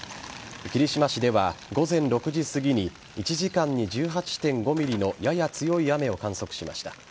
霧島市では午前６時すぎに１時間に１８．５ｍｍのやや強い雨を観測しました。